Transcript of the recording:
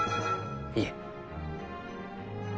いえ。